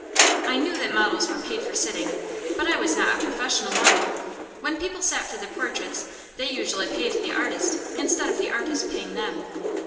I knew that models were paid for sitting, but I was not a professional model. When people sat for their portraits they usually paid the artist, instead of the artist paying them.